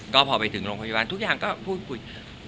ก็พอไปถึงโรงพยาบาลทุกอย่างก็พูดคุย